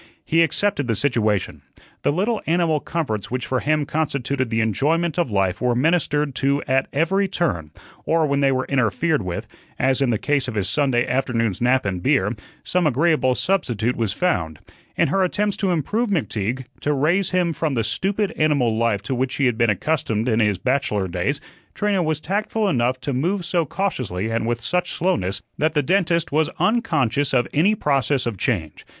He accepted the situation. The little animal comforts which for him constituted the enjoyment of life were ministered to at every turn, or when they were interfered with as in the case of his Sunday afternoon's nap and beer some agreeable substitute was found. In her attempts to improve McTeague to raise him from the stupid animal life to which he had been accustomed in his bachelor days Trina was tactful enough to move so cautiously and with such slowness that the dentist was unconscious of any process of change.